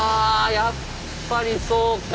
やっぱりそうか。